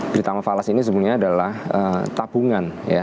britama falas ini sebenarnya adalah tabungan ya